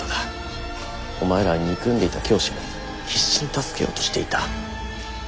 お前らは憎んでいた教師を必死に助けようとしていた。